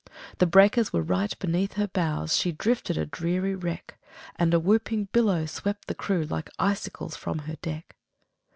The breakers were right beneath her bows, She drifted a dreary wreck, And a whooping billow swept the crew Like icicles from her deck.